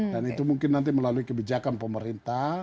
dan itu mungkin nanti melalui kebijakan pemerintah